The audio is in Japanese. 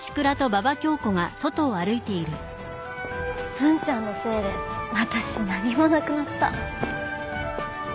文ちゃんのせいで私何もなくなった。